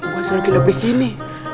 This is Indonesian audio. gua selalu nginep disini